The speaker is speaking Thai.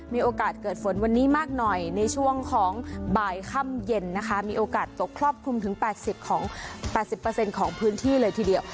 มีโอกาสเกิดฝนวันนี้มากหน่อยในช่วงของบ่ายค่ำเย็นนะคะมีโอกาสตกครอบคลุมถึง๘๐ของ๘๐ของพื้นที่เลยทีเดียว